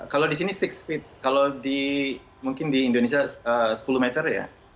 kalau di sini enam speed kalau di mungkin di indonesia sepuluh meter ya